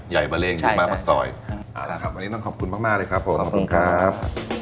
ใหญ่เบลงดินมาปรักษอยนะครับวันนี้ต้องขอบคุณมากเลยครับผมขอบคุณครับ